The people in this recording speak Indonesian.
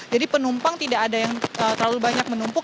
jadi penumpang tidak ada yang terlalu banyak menumpuk